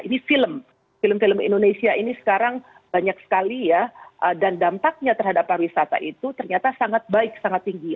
ini film film indonesia ini sekarang banyak sekali ya dan dampaknya terhadap pariwisata itu ternyata sangat baik sangat tinggi